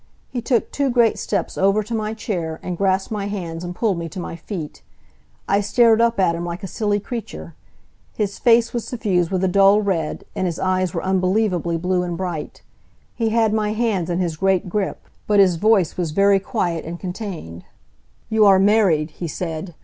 He took two great steps over to my chair, and grasped my hands and pulled me to my feet. I stared up at him like a silly creature. His face was suffused with a dull red, and his eyes were unbelievably blue and bright. He had my hands in his great grip, but his voice was very quiet and contained. "You are married," he said.